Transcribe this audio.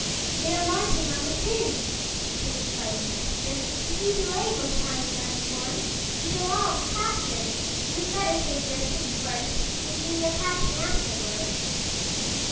"They are marching on the City," said the frightened messenger. "If you delay, Most High and Mighty One, we shall all be captured. You'd better save your City first and do your patching afterward."